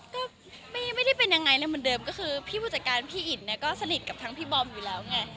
ก็ไม่ได้เป็นยังไงเลยเหมือนเดิมก็คือพี่ผู้จัดการพี่อินเนี่ยก็สนิทกับทั้งพี่บอมอยู่แล้วไง